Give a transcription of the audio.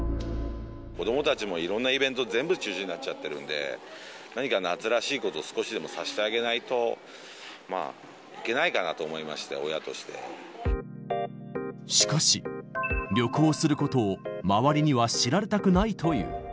子どもたちもいろんなイベント、全部中止になっちゃってるんで、何か夏らしいこと、少しでもさせてあげないと、まあ、いけないかなと思いまして、しかし、旅行することを周りには知られたくないという。